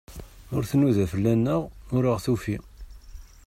Ur tnuda fell-aneɣ, ur aɣ-tufi.